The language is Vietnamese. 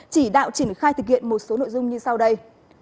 chỉ đạo triển khai thực hiện một số nội dung như sau đây